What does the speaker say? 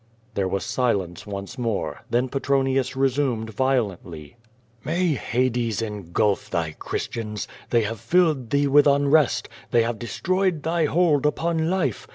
There was silence once more. Then Petronius resumed violently. "May Hades engulf thy Christians! They have filled thee with unrest. They have destroyed thy hold upon life.